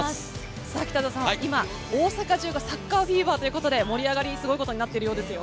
今、大阪中がサッカーフィーバーということで盛り上がり、すごいことになってるようですよ。